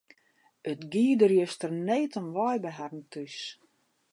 It gie der juster need om wei by harren thús.